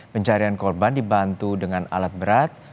pencarian korban dibantu dengan alat berat